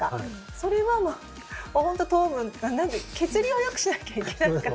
それはもう本当糖分血流をよくしなきゃいけないから。